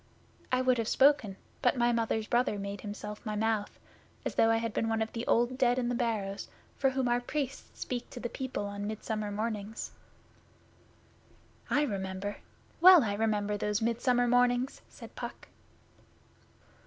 I would have spoken, but my Mother's brother made himself my Mouth, as though I had been one of the Old Dead in the Barrows for whom our Priests speak to the people on Midsummer Mornings.' 'I remember. Well I remember those Midsummer Mornings!' said Puck.